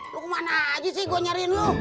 lu ke mana aja sih gua nyariin lu